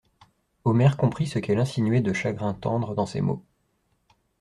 Omer comprit ce qu'elle insinuait de chagrin tendre dans ces mots.